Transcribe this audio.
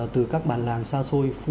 từ các bàn làng xa xôi